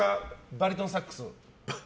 バリトンサックス。